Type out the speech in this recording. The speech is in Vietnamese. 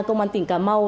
công an tỉnh cà mau